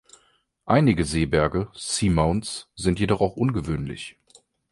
Einige Seeberge (Seamounts) sind jedoch auch ungewöhnlich.